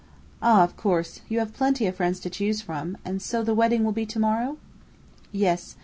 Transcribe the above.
"Ah, of course, you have plenty of friends to choose from; and so the wedding will be to morrow?" "Yes.